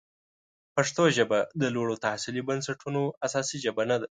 پښتو ژبه د لوړو تحصیلي بنسټونو اساسي ژبه نه ده.